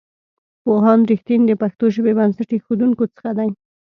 پوهاند رښتین د پښتو ژبې بنسټ ایښودونکو څخه دی.